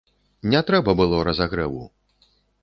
Не трэба было разагрэву!